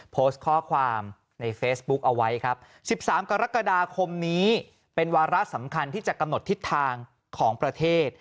โพสต์ข้อความในเฟซบุ๊คเอาไว้ครับ๑๓กรกฎาคมนี้เป็นวาระสำคัญที่จะกำหนดทิศทางของประเทศ